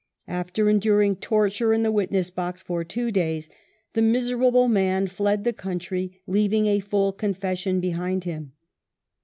After enduring tortui e in the witness box for two days the miserable man fled the country, leaving a full confession behind him.